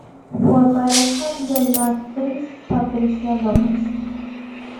Fue pareja de la actriz Patricia López.